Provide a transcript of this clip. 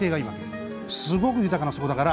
すごく豊かな層だから。